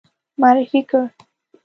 معرفي کړ.